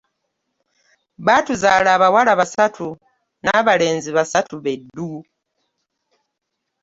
Baatuzaala abawala basatu n'abalenzi basatu be ddu.